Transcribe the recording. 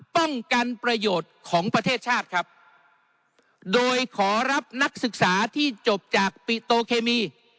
ป้องกันประโยชน์ของประเทศชาติครับโดยขอรับนักศึกษาที่จบจากปิโตเคมี